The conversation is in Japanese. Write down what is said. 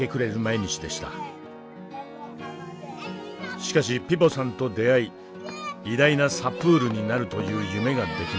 しかしピヴォさんと出会い偉大なサプールになるという夢が出来ました。